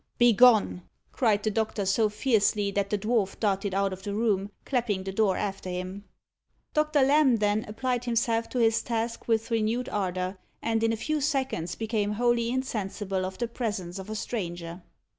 "Begone!" cried the doctor, so fiercely that the dwarf darted out of the room, clapping the door after him. Doctor Lamb then applied himself to his task with renewed ardour, and in a few seconds became wholly insensible of the presence of a stranger.